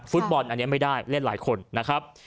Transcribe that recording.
ฟุตบอลอันนี้ไม่ได้เล่นหลายคนนะครับ